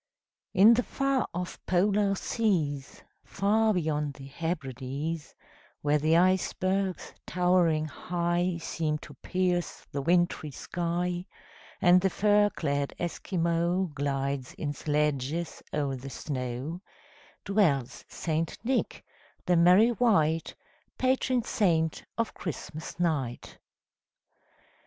In the far off Polar seas, Far beyond the Hebrides, Where the icebergs, towering high, Seem to pierce the wintry sky, And the fur clad Esquimaux Glides in sledges o'er the snow, Dwells St. Nick, the merry wight, Patron saint of Christmas night.